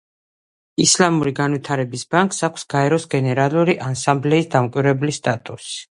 ისლამური განვითარების ბანკს აქვს გაეროს გენერალური ასამბლეის დამკვირვებლის სტატუსი.